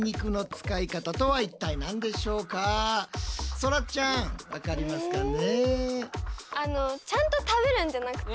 そらちゃん分かりますかね？